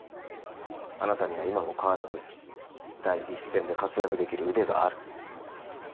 あなたには今も変わらず第一線で活躍できる腕がある。